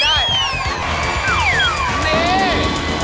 นี่